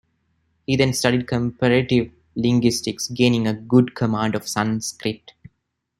He then studied comparative linguistics, gaining a good command of Sanskrit.